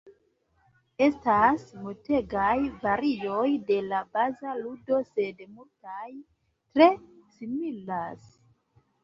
Estas multegaj varioj de la baza ludo, sed multaj tre similas.